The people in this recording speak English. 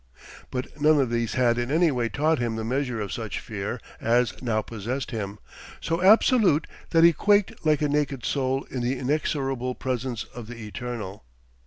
But none of these had in any way taught him the measure of such fear as now possessed him, so absolute that he quaked like a naked soul in the inexorable presence of the Eternal.